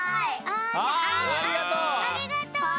ありがとう。